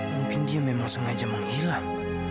mungkin dia memang sengaja menghilang